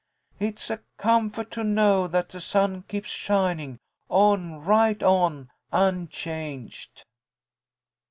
It's a comfort to know that the sun keeps shining, on right on, unchanged."